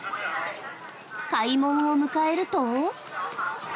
開門を迎えると。